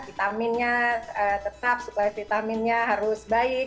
vitaminnya tetap supaya vitaminnya harus baik